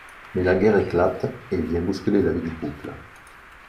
Mais la guerre éclate et vient bousculer la vie du couple.